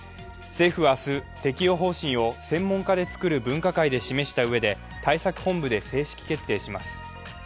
政府は明日、適用方針を専門家で作る分科会で示したうえで対策本部で正式決定します。